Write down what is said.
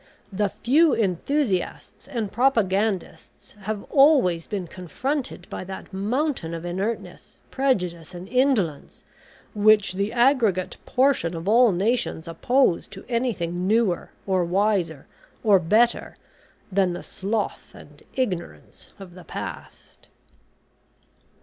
The few enthusiasts and propagandists have always been confronted by that mountain of inertness, prejudice, and indolence, which the aggregate portion of all nations oppose to anything newer, or wiser, or better than the sloth and ignorance of the past."